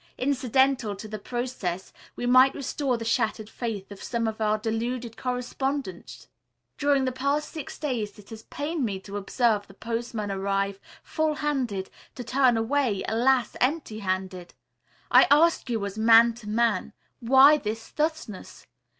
Incidental to the process we might restore the shattered faith of some of our deluded correspondents. During the past six days it has pained me to observe the postman arrive, full handed, to turn away, alas, empty handed. I ask you as man to man why this thusness?